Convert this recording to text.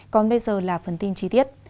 còn bây giờ là phần tin chi tiết